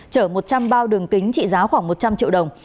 chở một trăm linh bao đường kính trị giá khoảng một trăm linh triệu đồng